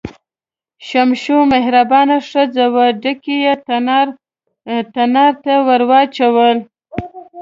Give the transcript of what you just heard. شمشو مهربانه ښځه وه، ډکي یې تنار ته ور واچول.